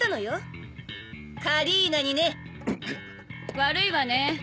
悪いわね。